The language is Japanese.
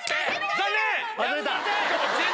⁉残念！